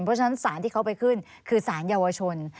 เพราะฉะนั้นสารที่เขาไปขึ้นคือสารเยาวชน